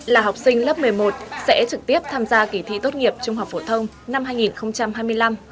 là học sinh lớp một mươi một sẽ trực tiếp tham gia kỳ thi tốt nghiệp trung học phổ thông năm hai nghìn hai mươi năm